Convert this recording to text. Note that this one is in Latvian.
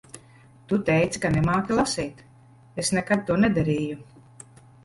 Tu teici ka nemāki lasīt. Es nekad to nedarīju.